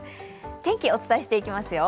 天気をお伝えしていきますよ。